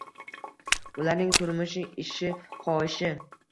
Ularning turmushi, ishi, xohishi